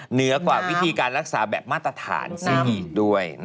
เหนือกว่าวิธีการรักษาแบบมาตรฐานซะอีกด้วย